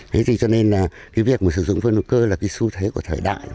thế thì cho nên là cái việc mà sử dụng phân hữu cơ là cái xu thế của thời đại